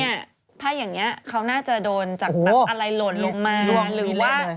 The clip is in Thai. นี่ถ้าอย่างนี้เขาน่าจะโดนจากอะไรหล่นลงมา